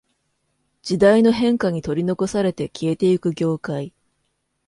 時代の変化に取り残されて消えていく業界